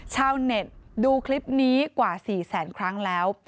ชาวเน็ตดูคลิปนี้กว่า๔แสนครั้งแล้ว